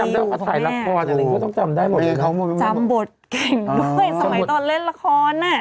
เว้ยสมัยตอนเล่นละครน่ะ